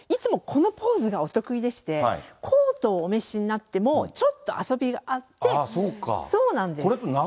これっていつもこのポーズがお得意でして、コートをお召しになってもちょっと遊びがあって。